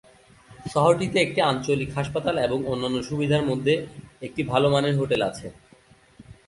শহরটিতে একটি আঞ্চলিক হাসপাতাল এবং অন্যান্য সুবিধার মধ্যে একটি ভাল মানের হোটেল আছে।